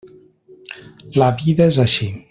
La vida és així.